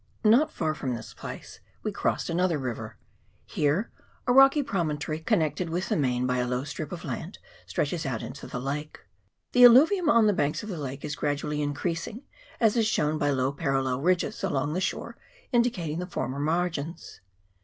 Not far from this place we crossed another river. Here a rocky promontory, connected with the main CHAP. XXIV.] A CHRISTIAN SETTLEMENT. 365 by a low strip of land, stretches out into the lake. The alluvium on the banks of the lake is gradually increasing, as is shown by low parallel ridges along the shore, indicating the former margins.